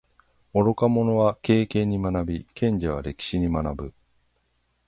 愚か者は経験に学び，賢者は歴史に学ぶ。